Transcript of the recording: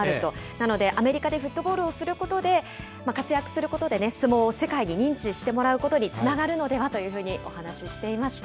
なので、アメリカでフットボールをすることで、活躍することでね、相撲を世界に認知してもらうことにつながるのではというふうにお話していました。